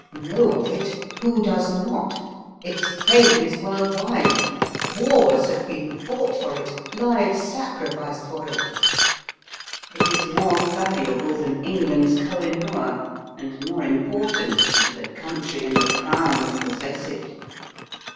"Know of it? Who does not? Its fame is world wide. Wars have been fought for it, lives sacrificed for it. It is more valuable than England's Koh i noor, and more important to the country and the crown that possess it.